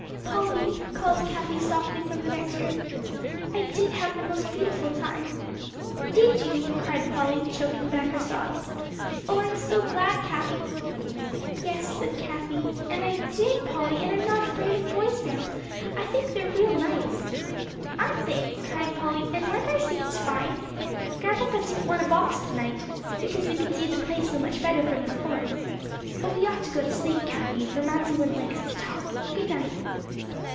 "Polly," called Cathie softly from the next room, "I did have the most beautiful time!" "Did you?" cried Polly, choking back her sobs. "Oh, I am so glad, Cathie!" "Yes," said Cathie, "I did, Polly, and I'm not afraid of boys now; I think they are real nice." "Aren't they!" cried Polly, "and weren't our seats fine! Grandpapa didn't want a box to night, because we could see the play so much better from the floor. But we ought to go to sleep, Cathie, for Mamsie wouldn't like us to talk. Good night."